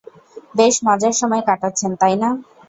বেশ মজার সময় কাটাচ্ছেন, তাই না?